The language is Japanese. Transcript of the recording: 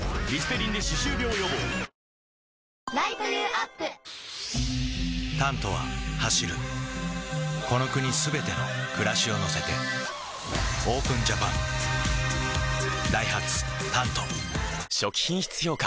Ｎｏ．１「タント」は走るこの国すべての暮らしを乗せてＯＰＥＮＪＡＰＡＮダイハツ「タント」初期品質評価